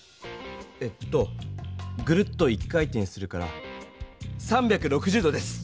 えっとグルッと一回転するから３６０度です。